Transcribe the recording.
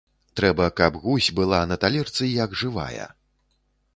Трэба, каб гусь была на талерцы як жывая.